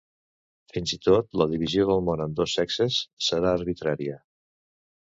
Fins i tot la divisió del món en dos sexes serà arbitrària.